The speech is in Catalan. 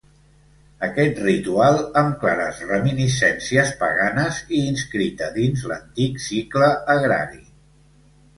Aquest ritual amb clares reminiscències paganes i inscrita dins l'antic cicle agrari.